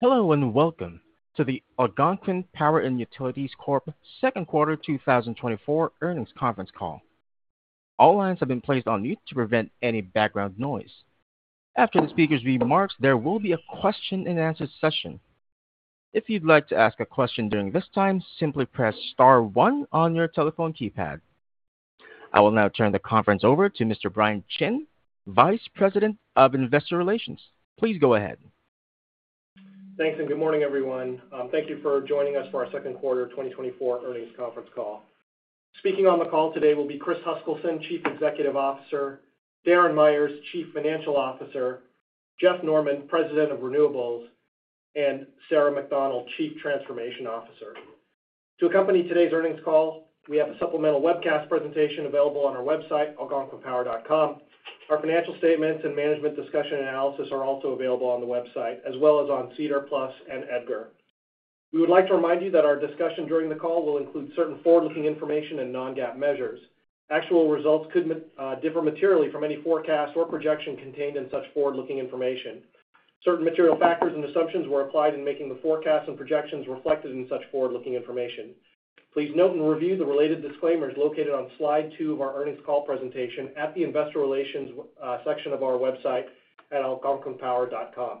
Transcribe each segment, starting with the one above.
Hello, and welcome to the Algonquin Power & Utilities Corp second quarter 2024 earnings conference call. All lines have been placed on mute to prevent any background noise. After the speaker's remarks, there will be a question-and-answer session. If you'd like to ask a question during this time, simply press star one on your telephone keypad. I will now turn the conference over to Mr. Brian Chin, Vice President of Investor Relations. Please go ahead. Thanks, and good morning, everyone. Thank you for joining us for our second quarter of 2024 earnings conference call. Speaking on the call today will be Chris Huskilson, Chief Executive Officer, Darren Myers, Chief Financial Officer, Jeff Norman, President of Renewables, and Sarah MacDonald, Chief Transformation Officer. To accompany today's earnings call, we have a supplemental webcast presentation available on our website, algonquinpower.com. Our financial statements and management discussion analysis are also available on the website, as well as on SEDAR+ and EDGAR. We would like to remind you that our discussion during the call will include certain forward-looking information and non-GAAP measures. Actual results could differ materially from any forecast or projection contained in such forward-looking information. Certain material factors and assumptions were applied in making the forecasts and projections reflected in such forward-looking information. Please note and review the related disclaimers located on slide two of our earnings call presentation at the investor relations section of our website at algonquinpower.com.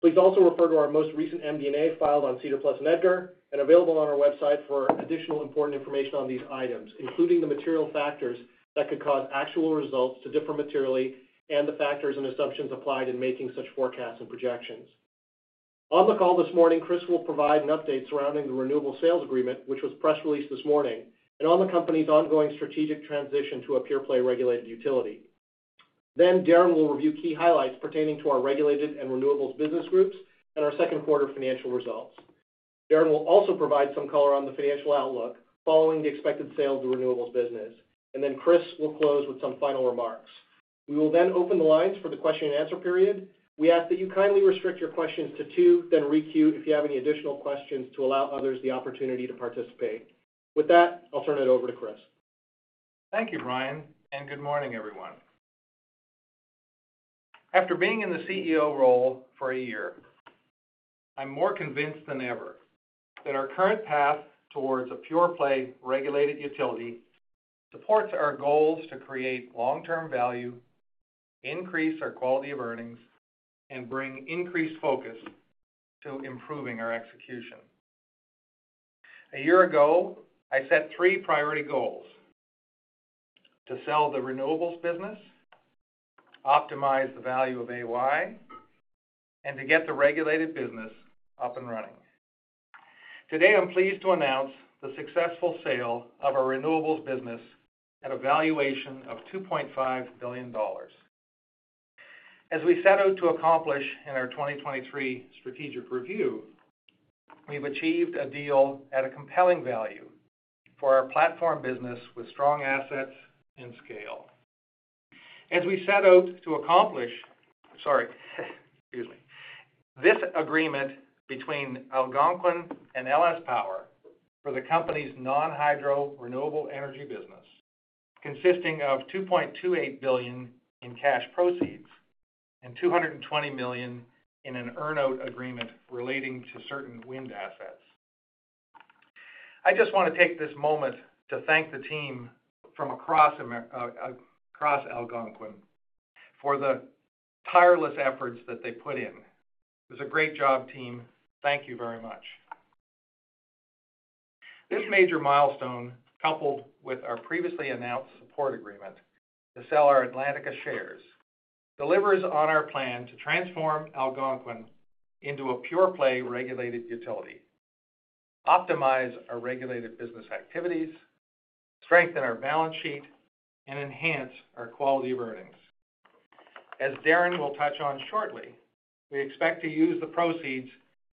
Please also refer to our most recent MD&A filed on SEDAR+ and EDGAR, and available on our website for additional important information on these items, including the material factors that could cause actual results to differ materially and the factors and assumptions applied in making such forecasts and projections. On the call this morning, Chris will provide an update surrounding the renewable sales agreement, which was press-released this morning, and on the company's ongoing strategic transition to a pure-play regulated utility. Then Darren will review key highlights pertaining to our regulated and renewables business groups and our second quarter financial results. Darren will also provide some color on the financial outlook following the expected sale of the renewables business, and then Chris will close with some final remarks. We will then open the lines for the question and answer period. We ask that you kindly restrict your questions to two, then re-queue if you have any additional questions to allow others the opportunity to participate. With that, I'll turn it over to Chris. Thank you, Brian, and good morning, everyone. After being in the CEO role for a year, I'm more convinced than ever that our current path towards a pure-play regulated utility supports our goals to create long-term value, increase our quality of earnings, and bring increased focus to improving our execution. A year ago, I set three priority goals: To sell the renewables business, optimize the value of AY, and to get the regulated business up and running. Today, I'm pleased to announce the successful sale of our renewables business at a valuation of $2.5 billion. As we set out to accomplish in our 2023 strategic review, we've achieved a deal at a compelling value for our platform business with strong assets and scale. As we set out to accomplish... Sorry, excuse me. This agreement between Algonquin and LS Power for the company's non-hydro renewable energy business, consisting of $2.28 billion in cash proceeds and $220 million in an earn-out agreement relating to certain wind assets. I just want to take this moment to thank the team from across Algonquin for the tireless efforts that they put in. It was a great job, team. Thank you very much. This major milestone, coupled with our previously announced support agreement to sell our Atlantica shares, delivers on our plan to transform Algonquin into a pure-play regulated utility, optimize our regulated business activities, strengthen our balance sheet, and enhance our quality of earnings. As Darren will touch on shortly, we expect to use the proceeds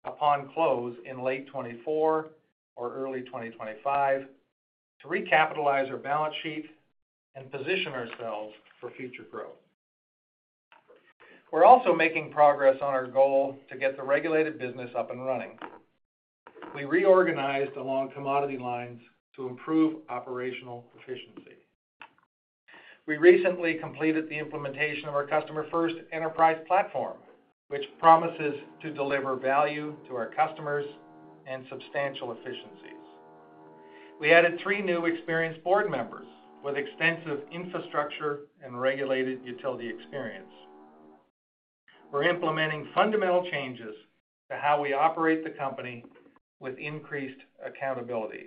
upon close in late 2024 or early 2025 to recapitalize our balance sheet and position ourselves for future growth. We're also making progress on our goal to get the regulated business up and running. We reorganized along commodity lines to improve operational efficiency. We recently completed the implementation of our customer-first enterprise platform, which promises to deliver value to our customers and substantial efficiencies. We added three new experienced board members with extensive infrastructure and regulated utility experience. We're implementing fundamental changes to how we operate the company with increased accountability.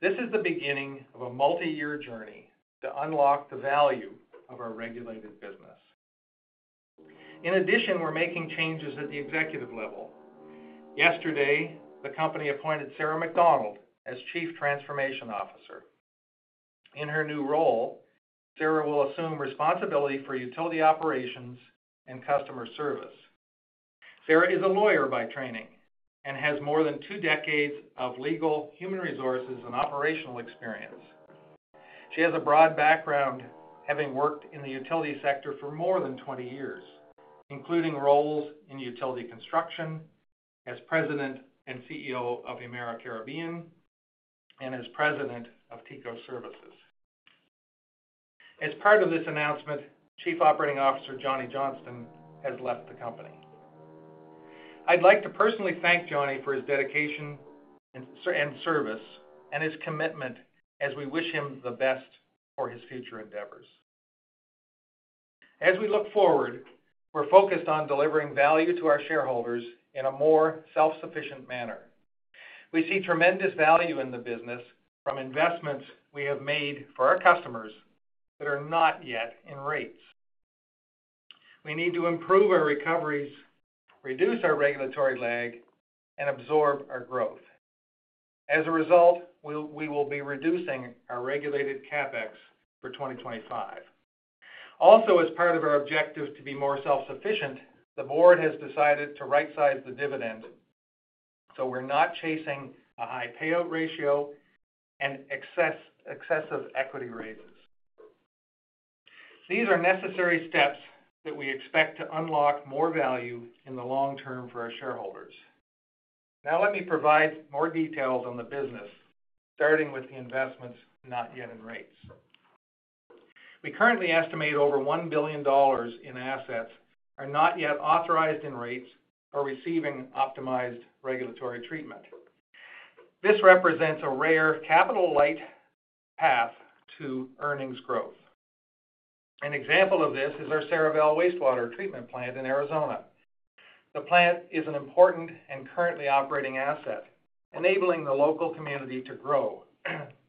This is the beginning of a multi-year journey to unlock the value of our regulated business. In addition, we're making changes at the executive level. Yesterday, the company appointed Sarah MacDonald as Chief Transformation Officer. In her new role, Sarah will assume responsibility for utility operations and customer service. Sarah is a lawyer by training and has more than two decades of legal, human resources, and operational experience. She has a broad background, having worked in the utility sector for more than 20 years, including roles in utility construction as President and CEO of Emera Caribbean and as President of TECO Services. As part of this announcement, Chief Operating Officer Johnny Johnston has left the company. I'd like to personally thank Johnny for his dedication and service and his commitment as we wish him the best for his future endeavors. As we look forward, we're focused on delivering value to our shareholders in a more self-sufficient manner. We see tremendous value in the business from investments we have made for our customers that are not yet in rates. We need to improve our recoveries, reduce our regulatory lag, and absorb our growth. As a result, we will be reducing our regulated CapEx for 2025. Also, as part of our objective to be more self-sufficient, the board has decided to right-size the dividend, so we're not chasing a high payout ratio and excessive equity raises. These are necessary steps that we expect to unlock more value in the long term for our shareholders. Now, let me provide more details on the business, starting with the investments not yet in rates. We currently estimate over $1 billion in assets are not yet authorized in rates or receiving optimized regulatory treatment. This represents a rare capital-light path to earnings growth. An example of this is our Sarival Wastewater Treatment Plant in Arizona. The plant is an important and currently operating asset, enabling the local community to grow,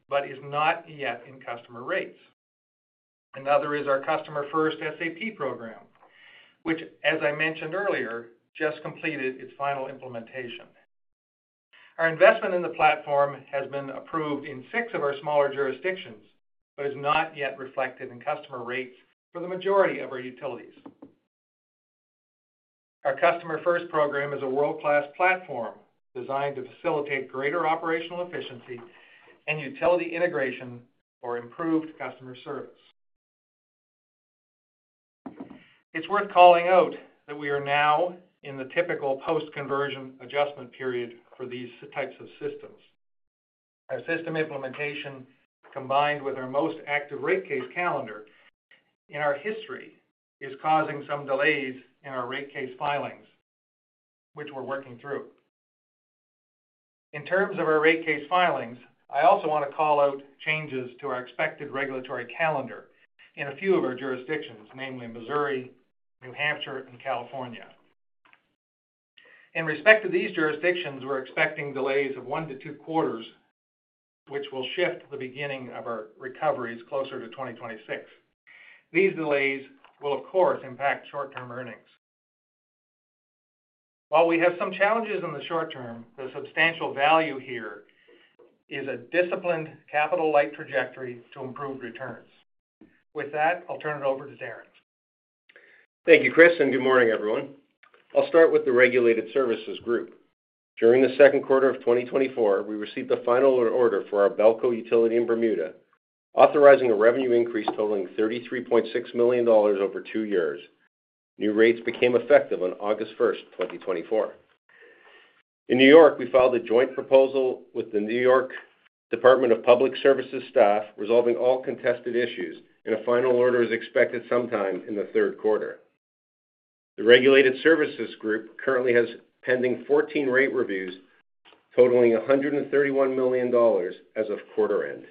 but is not yet in customer rates. Another is our Customer First SAP program, which, as I mentioned earlier, just completed its final implementation. Our investment in the platform has been approved in six of our smaller jurisdictions, but is not yet reflected in customer rates for the majority of our utilities. Our Customer First program is a world-class platform designed to facilitate greater operational efficiency and utility integration for improved customer service. It's worth calling out that we are now in the typical post-conversion adjustment period for these types of systems. Our system implementation, combined with our most active rate case calendar in our history, is causing some delays in our rate case filings, which we're working through. In terms of our rate case filings, I also want to call out changes to our expected regulatory calendar in a few of our jurisdictions, namely in Missouri, New Hampshire, and California. In respect to these jurisdictions, we're expecting delays of one to two quarters, which will shift the beginning of our recoveries closer to 2026. These delays will, of course, impact short-term earnings. While we have some challenges in the short term, the substantial value here is a disciplined capital-light trajectory to improve returns. With that, I'll turn it over to Darren. Thank you, Chris, and good morning, everyone. I'll start with the Regulated Services group. During the second quarter of 2024, we received a final order for our Belco utility in Bermuda, authorizing a revenue increase totaling $33.6 million over two years. New rates became effective on August 1, 2024. In New York, we filed a joint proposal with the New York Department of Public Services staff, resolving all contested issues, and a final order is expected sometime in the third quarter. The Regulated Services group currently has pending 14 rate reviews, totaling $131 million as of quarter end.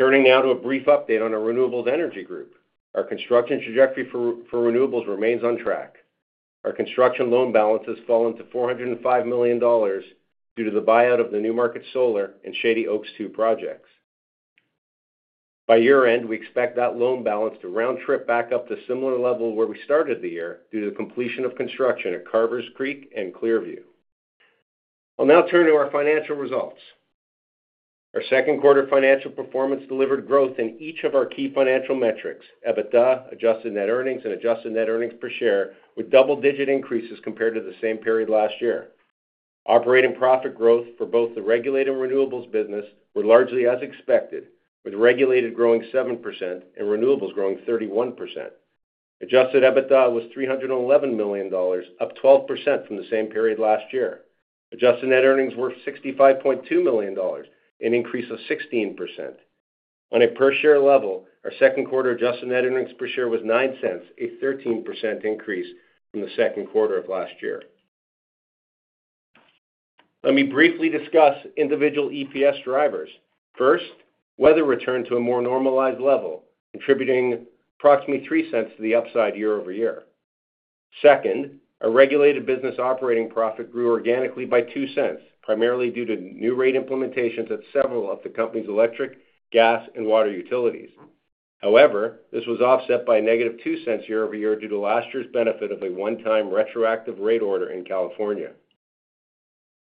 Turning now to a brief update on our Renewables Energy group. Our construction trajectory for renewables remains on track. Our construction loan balance has fallen to $405 million due to the buyout of the Newmarket Solar and Shady Oaks II projects. By year-end, we expect that loan balance to round trip back up to a similar level where we started the year, due to the completion of construction at Carvers Creek and Clearview. I'll now turn to our financial results. Our second quarter financial performance delivered growth in each of our key financial metrics, EBITDA, adjusted net earnings, and adjusted net earnings per share, with double-digit increases compared to the same period last year. Operating profit growth for both the regulated renewables business were largely as expected, with regulated growing 7% and renewables growing 31%. Adjusted EBITDA was $311 million, up 12% from the same period last year. Adjusted Net Earnings were $65.2 million, an increase of 16%. On a per-share level, our second quarter adjusted net earnings per share was $0.09, a 13% increase from the second quarter of last year. Let me briefly discuss individual EPS drivers. First, weather returned to a more normalized level, contributing approximately $0.03 to the upside year-over-year. Second, our regulated business operating profit grew organically by $0.02, primarily due to new rate implementations at several of the company's electric, gas, and water utilities. However, this was offset by a -$0.02 year-over-year due to last year's benefit of a one-time retroactive rate order in California.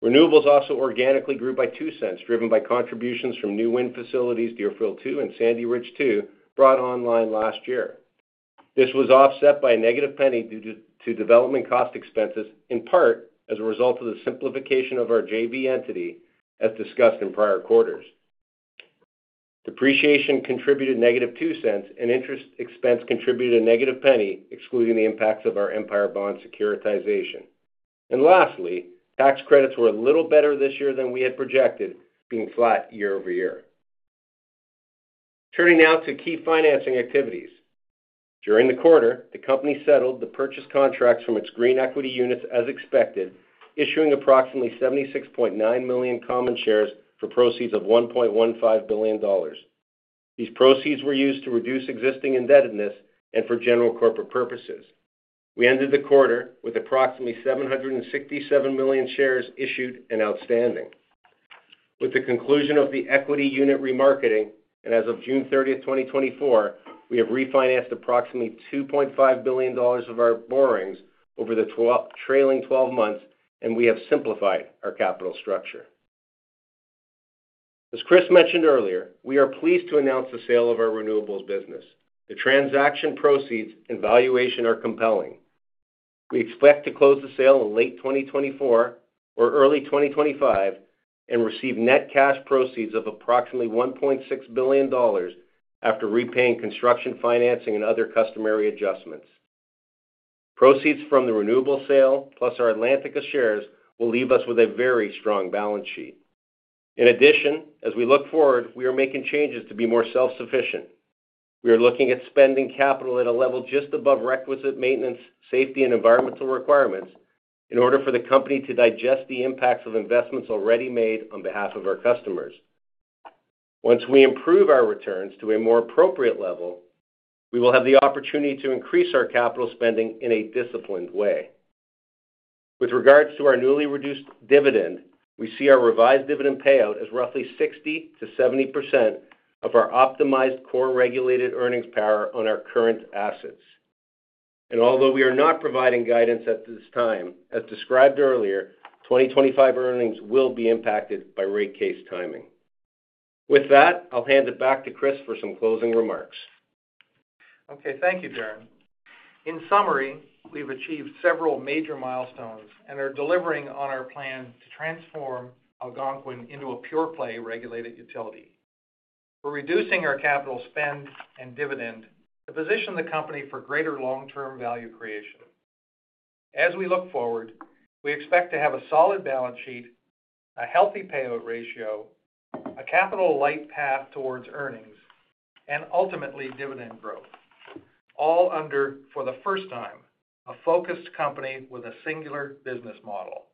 Renewables also organically grew by $0.02, driven by contributions from new wind facilities, Deerfield II and Sandy Ridge II, brought online last year. This was offset by a -$0.01 due to development cost expenses, in part as a result of the simplification of our JV entity, as discussed in prior quarters. Depreciation contributed -$0.02, and interest expense contributed a -$0.01, excluding the impacts of our Empire bond securitization. Lastly, tax credits were a little better this year than we had projected, being flat year-over-year. Turning now to key financing activities. During the quarter, the company settled the purchase contracts from its Green Equity Units as expected, issuing approximately 76.9 million common shares for proceeds of $1.15 billion. These proceeds were used to reduce existing indebtedness and for general corporate purposes. We ended the quarter with approximately 767 million shares issued and outstanding. With the conclusion of the equity unit remarketing, and as of June 30, 2024, we have refinanced approximately $2.5 billion of our borrowings over the trailing twelve months, and we have simplified our capital structure. As Chris mentioned earlier, we are pleased to announce the sale of our renewables business. The transaction proceeds and valuation are compelling. We expect to close the sale in late 2024 or early 2025 and receive net cash proceeds of approximately $1.6 billion after repaying construction, financing, and other customary adjustments. Proceeds from the renewable sale, plus our Atlantica shares, will leave us with a very strong balance sheet. In addition, as we look forward, we are making changes to be more self-sufficient. We are looking at spending capital at a level just above requisite maintenance, safety, and environmental requirements in order for the company to digest the impacts of investments already made on behalf of our customers. Once we improve our returns to a more appropriate level, we will have the opportunity to increase our capital spending in a disciplined way. With regards to our newly reduced dividend, we see our revised dividend payout as roughly 60%-70% of our optimized core regulated earnings power on our current assets. Although we are not providing guidance at this time, as described earlier, 2025 earnings will be impacted by rate case timing. With that, I'll hand it back to Chris for some closing remarks. Okay, thank you, Darren. In summary, we've achieved several major milestones and are delivering on our plan to transform Algonquin into a pure-play regulated utility. We're reducing our capital spend and dividend to position the company for greater long-term value creation. As we look forward, we expect to have a solid balance sheet, a healthy payout ratio, a capital-light path towards earnings, and ultimately, dividend growth, all under, for the first time, a focused company with a singular business model.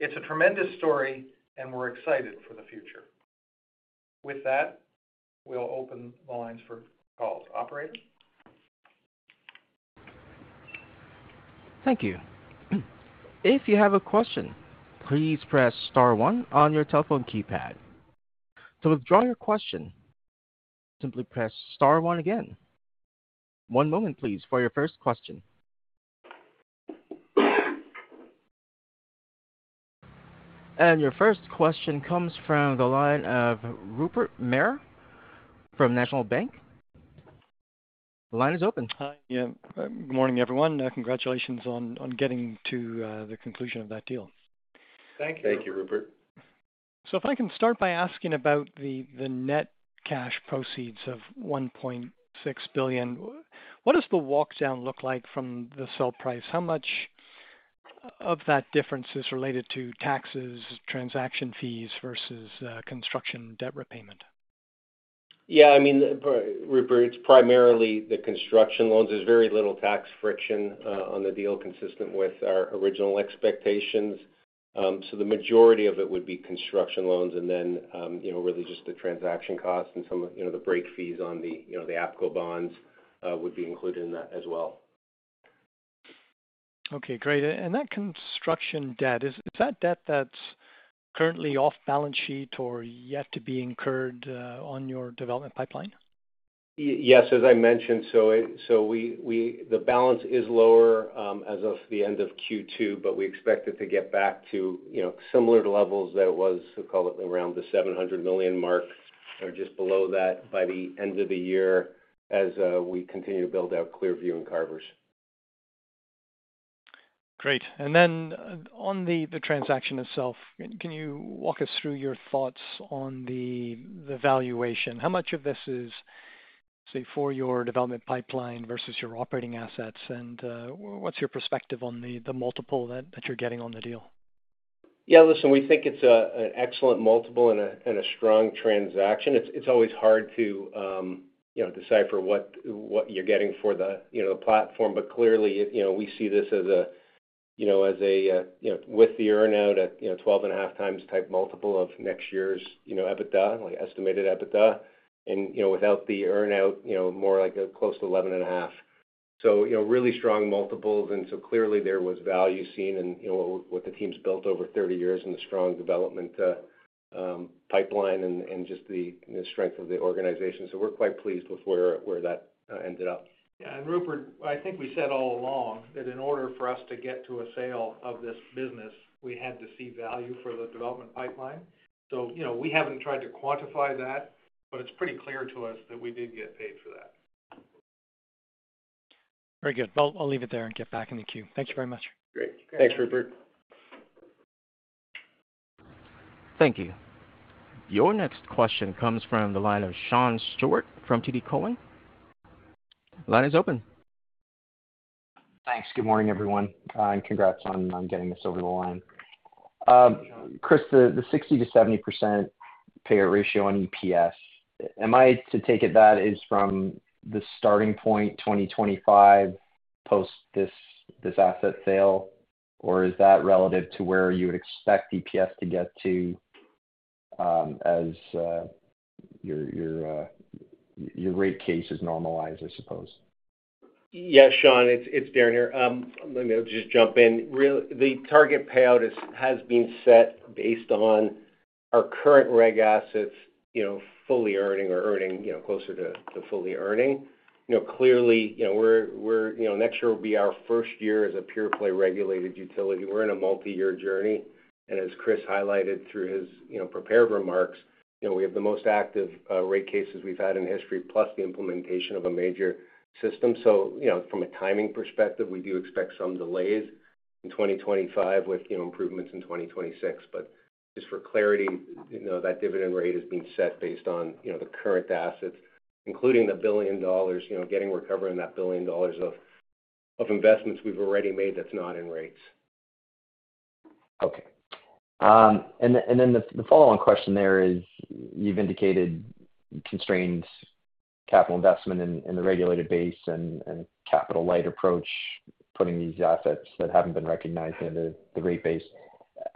It's a tremendous story, and we're excited for the future. With that, we'll open the lines for calls. Operator? Thank you. If you have a question, please press star one on your telephone keypad. To withdraw your question, simply press star one again. One moment, please, for your first question. Your first question comes from the line of Rupert Merer from National Bank. The line is open. Hi. Yeah. Good morning, everyone. Congratulations on, on getting to, the conclusion of that deal. Thank you. Thank you, Rupert. If I can start by asking about the net cash proceeds of $1.6 billion, what does the walk-down look like from the sale price? How much of that difference is related to taxes, transaction fees, versus construction debt repayment? Yeah, I mean, Rupert, it's primarily the construction loans. There's very little tax friction on the deal, consistent with our original expectations. So the majority of it would be construction loans and then, you know, really just the transaction costs and some of, you know, the break fees on the, you know, the APCo bonds would be included in that as well. Okay, great. And that construction debt, is that debt that's currently off balance sheet or yet to be incurred on your development pipeline? Yes, as I mentioned, so we. The balance is lower as of the end of Q2, but we expect it to get back to, you know, similar levels that it was, call it around the $700 million mark or just below that by the end of the year, as we continue to build out Clearview and Carvers. Great. And then on the transaction itself, can you walk us through your thoughts on the valuation? How much of this is, say, for your development pipeline versus your operating assets, and what's your perspective on the multiple that you're getting on the deal? Yeah, listen, we think it's an excellent multiple and a strong transaction. It's always hard to, you know, decipher what you're getting for the, you know, platform, but clearly, you know, we see this as a, you know, with the earn-out at, you know, 12.5x type multiple of next year's, you know, EBITDA, like estimated EBITDA, and, you know, without the earn-out, you know, more like close to 11.5. So, you know, really strong multiples, and so clearly, there was value seen in, you know, what the team's built over 30 years and the strong development pipeline and just the strength of the organization. So we're quite pleased with where that ended up. Yeah, and Rupert, I think we said all along that in order for us to get to a sale of this business, we had to see value for the development pipeline. So, you know, we haven't tried to quantify that, but it's pretty clear to us that we did get paid for that. Very good. I'll leave it there and get back in the queue. Thank you very much. Great. Thanks, Rupert. Thank you. Your next question comes from the line of Sean Steuart from TD Cowen. Line is open. Thanks. Good morning, everyone, and congrats on getting this over the line. Chris, the 60%-70% payout ratio on EPS, am I to take it that is from the starting point, 2025, post this asset sale? Or is that relative to where you would expect EPS to get to, as your rate case is normalized, I suppose? Yes, Sean, it's Darren here. Let me just jump in. The target payout is, has been set based on our current reg assets, you know, fully earning or earning, you know, closer to, to fully earning. You know, clearly, you know, we're. You know, next year will be our first year as a pure-play regulated utility. We're in a multiyear journey, and as Chris highlighted through his, you know, prepared remarks, you know, we have the most active rate cases we've had in history, plus the implementation of a major system. So, you know, from a timing perspective, we do expect some delays in 2025 with, you know, improvements in 2026. But just for clarity, you know, that dividend rate is being set based on, you know, the current assets, including $1 billion, you know, getting recovery on that $1 billion of investments we've already made, that's not in rates. Okay. And then the follow-on question there is, you've indicated constraints, capital investment in the regulated base and capital light approach, putting these assets that haven't been recognized in the rate base.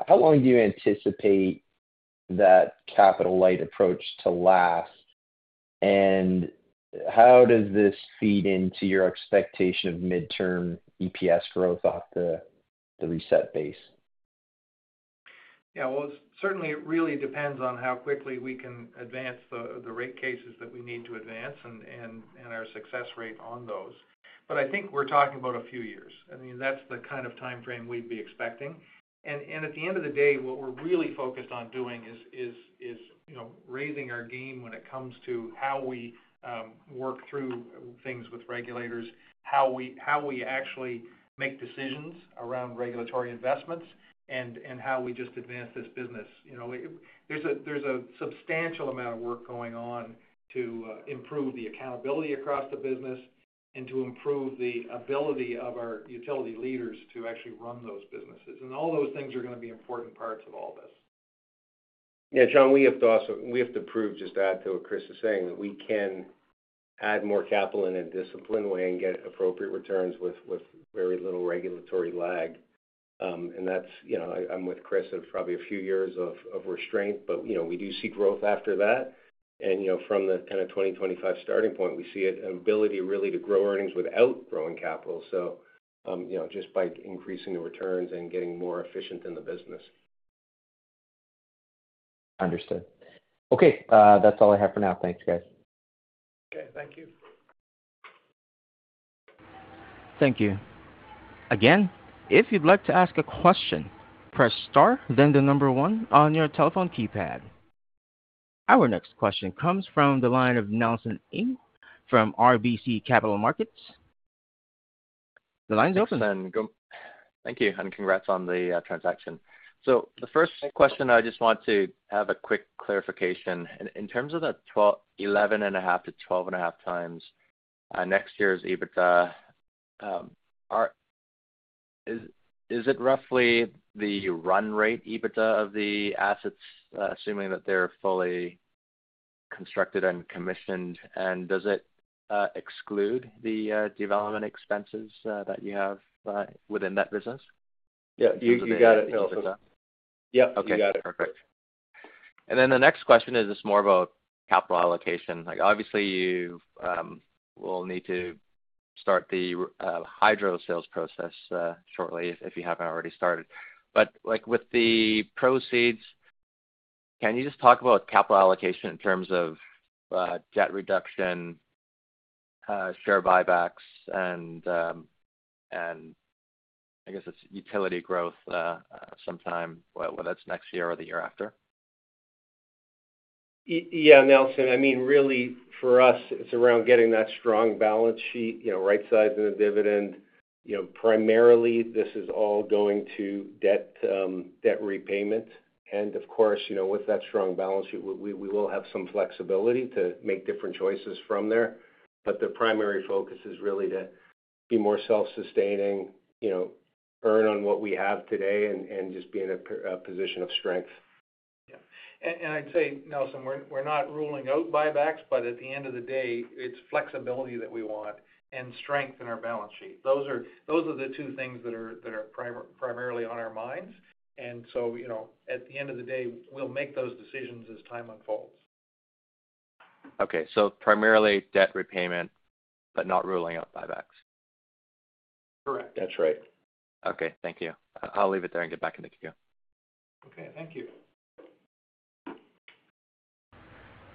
How long do you anticipate that capital light approach to last? And how does this feed into your expectation of midterm EPS growth off the reset base? Yeah. Well, certainly it really depends on how quickly we can advance the rate cases that we need to advance and our success rate on those. But I think we're talking about a few years. I mean, that's the kind of timeframe we'd be expecting. And at the end of the day, what we're really focused on doing is you know, raising our game when it comes to how we work through things with regulators, how we actually make decisions around regulatory investments, and how we just advance this business. You know, there's a substantial amount of work going on to improve the accountability across the business and to improve the ability of our utility leaders to actually run those businesses. And all those things are going to be important parts of all this. Yeah, Sean, we have to prove, just to add to what Chris is saying, that we can add more capital in a disciplined way and get appropriate returns with very little regulatory lag. And that's, you know, I'm with Chris, of probably a few years of restraint, but, you know, we do see growth after that. And, you know, from the kind of 2025 starting point, we see an ability really to grow earnings without growing capital. So, you know, just by increasing the returns and getting more efficient in the business. Understood. Okay, that's all I have for now. Thanks, guys. Okay, thank you. Thank you. Again, if you'd like to ask a question, press star, then the number one on your telephone keypad. Our next question comes from the line of Nelson Ng from RBC Capital Markets. The line is open. Thanks, Sean. Thank you, and congrats on the transaction. So the first question, I just want to have a quick clarification. In terms of the 11.5-12.5x next year's EBITDA, is it roughly the run rate EBITDA of the assets, assuming that they're fully constructed and commissioned? And does it exclude the development expenses that you have within that business? Yeah, you, you got it, Nelson. Yep. You got it. Okay, perfect. Then the next question is just more about capital allocation. Like, obviously, you will need to start the hydro sales process shortly, if you haven't already started. But, like, with the proceeds, can you just talk about capital allocation in terms of debt reduction, share buybacks, and I guess it's utility growth, sometime, whether it's next year or the year after? Yeah, Nelson. I mean, really, for us, it's around getting that strong balance sheet, you know, right sizing the dividend. You know, primarily, this is all going to debt, debt repayment. And of course, you know, with that strong balance sheet, we will have some flexibility to make different choices from there. But the primary focus is really to be more self-sustaining, you know, earn on what we have today and just be in a position of strength. Yeah. And I'd say, Nelson, we're not ruling out buybacks, but at the end of the day, it's flexibility that we want and strengthen our balance sheet. Those are the two things that are primarily on our minds. And so, you know, at the end of the day, we'll make those decisions as time unfolds. Okay. Primarily debt repayment, but not ruling out buybacks. Correct. That's right. Okay. Thank you. I'll leave it there and get back into queue. Okay, thank you.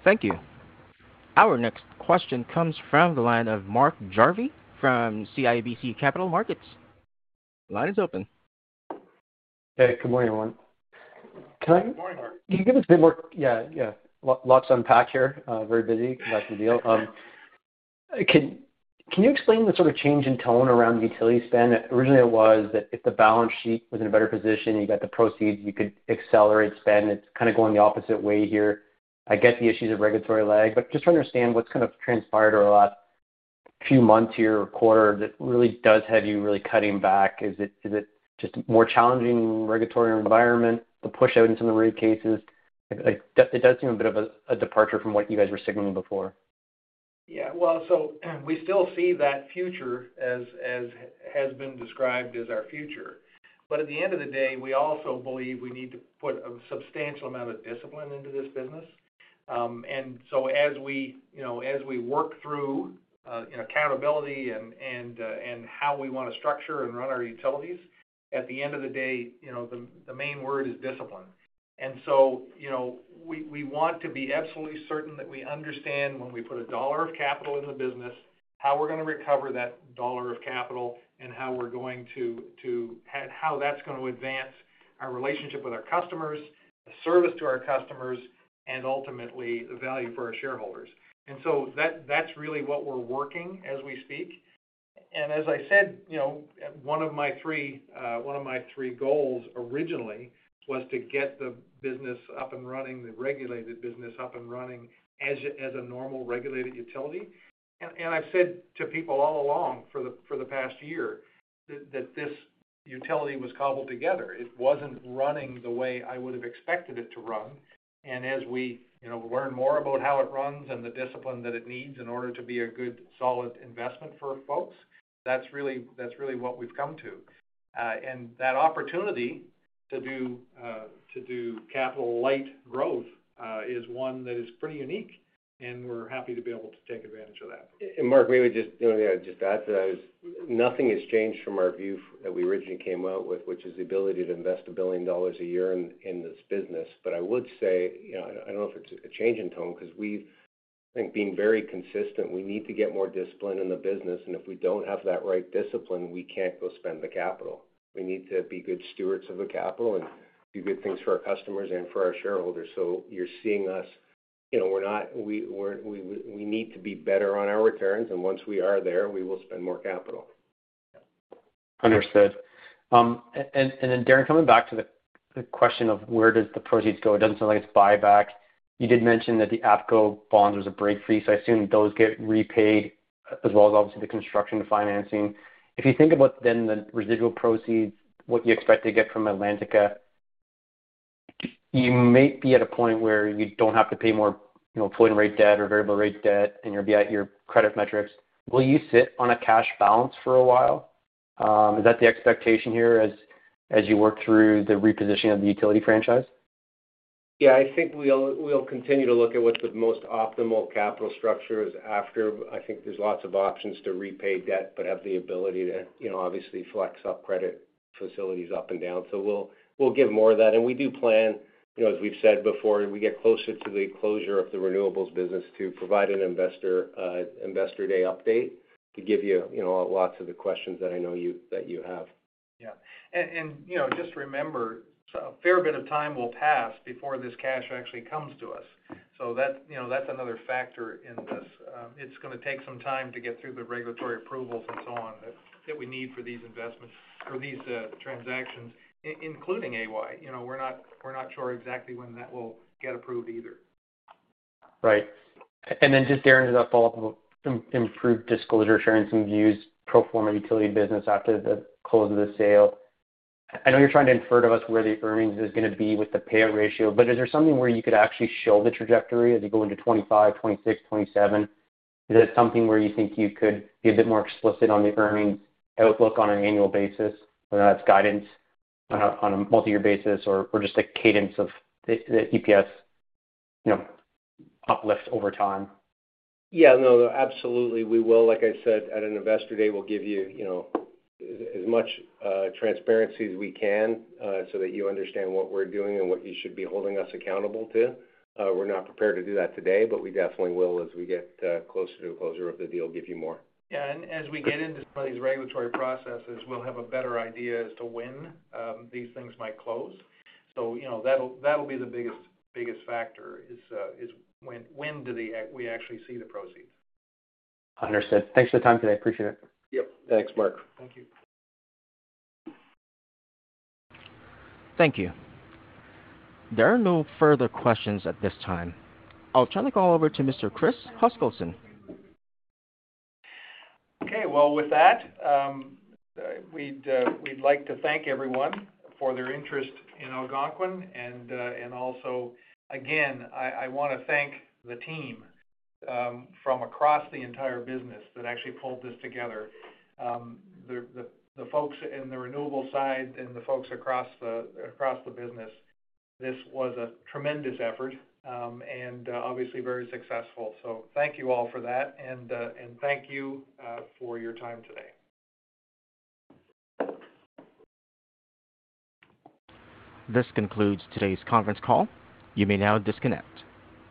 Thank you. Our next question comes from the line of Mark Jarvi from CIBC Capital Markets. Line is open. Hey, good morning, everyone. Good morning, Mark. Can you give us a bit more? Yeah, yeah. Lots to unpack here. Very busy, like the deal. Can you explain the sort of change in tone around the utility spend? Originally, it was that if the balance sheet was in a better position, you got the proceeds, you could accelerate spend. It's kind of going the opposite way here. I get the issues of regulatory lag, but just to understand what's kind of transpired over the last few months here or quarter that really does have you really cutting back. Is it just a more challenging regulatory environment to push out into the rate cases? Like, it does seem a bit of a departure from what you guys were signaling before. Yeah. Well, so we still see that future as, as has been described as our future. But at the end of the day, we also believe we need to put a substantial amount of discipline into this business. And so as we, you know, as we work through accountability and how we want to structure and run our utilities, at the end of the day, you know, the main word is discipline. And so, you know, we want to be absolutely certain that we understand when we put a dollar of capital into the business, how we're going to recover that dollar of capital, and how we're going to how that's going to advance our relationship with our customers, the service to our customers, and ultimately, the value for our shareholders. And so that's really what we're working as we speak. And as I said, you know, one of my three goals originally was to get the business up and running, the regulated business up and running as a normal regulated utility. And I've said to people all along for the past year, that this utility was cobbled together. It wasn't running the way I would have expected it to run. And as we, you know, learn more about how it runs and the discipline that it needs in order to be a good, solid investment for folks, that's really what we've come to. And that opportunity to do capital light growth is one that is pretty unique, and we're happy to be able to take advantage of that. And Mark, maybe just, you know, just add to that, is nothing has changed from our view that we originally came out with, which is the ability to invest $1 billion a year in this business. But I would say, you know, I don't know if it's a change in tone, 'cause we've, I think, been very consistent. We need to get more discipline in the business, and if we don't have that right discipline, we can't go spend the capital. We need to be good stewards of the capital and do good things for our customers and for our shareholders. So you're seeing us, you know, we're not—we, we, we need to be better on our returns, and once we are there, we will spend more capital. Understood. And then, Darren, coming back to the question of where does the proceeds go? It doesn't sound like it's buyback. You did mention that the APCo bonds was a break fee, so I assume those get repaid as well as obviously the construction financing. If you think about then the residual proceeds, what you expect to get from Atlantica, you might be at a point where you don't have to pay more, you know, floating rate debt or variable rate debt, and you'll be at your credit metrics. Will you sit on a cash balance for a while? Is that the expectation here as you work through the repositioning of the utility franchise? Yeah, I think we'll continue to look at what the most optimal capital structure is after. I think there's lots of options to repay debt, but have the ability to, you know, obviously flex up credit facilities up and down. So we'll give more of that. And we do plan, you know, as we've said before, as we get closer to the closure of the renewables business to provide an investor day update to give you, you know, lots of the questions that I know you, that you have. Yeah. You know, just remember, a fair bit of time will pass before this cash actually comes to us. So that's, you know, that's another factor in this. It's gonna take some time to get through the regulatory approvals and so on, that we need for these investments, for these transactions, including AY. You know, we're not sure exactly when that will get approved either. Right. And then just, Darren, as a follow-up, improved disclosure, sharing some views, pro forma utility business after the close of the sale. I know you're trying to infer to us where the earnings is gonna be with the payout ratio, but is there something where you could actually show the trajectory as you go into 2025, 2026, 2027? Is it something where you think you could be a bit more explicit on the earnings outlook on an annual basis, whether that's guidance on a, on a multi-year basis or, or just a cadence of the, the EPS, you know, uplifts over time? Yeah, no, absolutely, we will. Like I said, at an Investor Day, we'll give you, you know, as much transparency as we can, so that you understand what we're doing and what you should be holding us accountable to. We're not prepared to do that today, but we definitely will as we get closer to the closure of the deal, give you more. Yeah, and as we get into some of these regulatory processes, we'll have a better idea as to when these things might close. So, you know, that'll be the biggest factor, is when we actually see the proceeds. Understood. Thanks for the time today. I appreciate it. Yep. Thanks, Mark. Thank you. Thank you. There are no further questions at this time. I'll turn the call over to Mr. Chris Huskilson. Okay. Well, with that, we'd like to thank everyone for their interest in Algonquin. And also, again, I want to thank the team from across the entire business that actually pulled this together. The folks in the renewables side and the folks across the business, this was a tremendous effort, and obviously, very successful. So thank you all for that, and thank you for your time today. This concludes today's conference call. You may now disconnect.